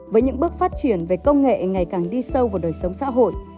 với những bước phát triển về công nghệ ngày càng đi sâu vào đời sống xã hội